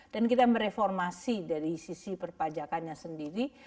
dan kita mereformasi dari sisi perpajakannya sendiri